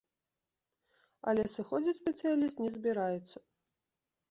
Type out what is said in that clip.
Але сыходзіць спецыяліст не збіраецца.